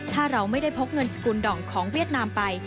ถ้าเราไม่ได้พกเงินสกุลดองของเวียดนามไป